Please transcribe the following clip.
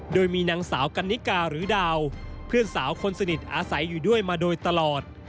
โดยมีนางสาวกันนิกาหรือดาวเพื่อนสาวคนสนิทอาศัยอยู่ด้วยมาโดยตลอด